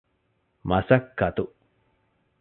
މަސައްކަތު